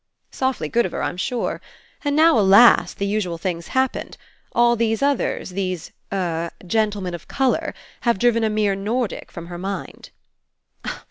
" 'S awfully good of her, Fm sure. And now, alas ! the usual thing's happened. All these others, these — er — 'gentlemen of colour' have driven a mere Nordic from her mind."